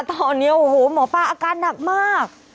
ตอนนี้โอ้โหหมอป้าอาการหนักมาก